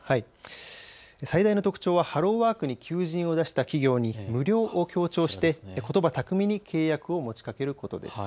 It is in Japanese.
最大の特徴はハローワークに求人を出した企業に無料を強調して、ことば巧みに契約を持ちかけることです。